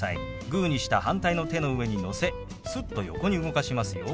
グーにした反対の手の上にのせすっと横に動かしますよ。